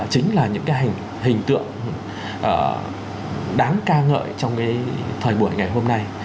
chính là những hình tượng đáng ca ngợi trong thời buổi ngày hôm nay